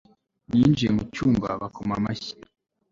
ninjiye mu cyumba, bakoma amashyi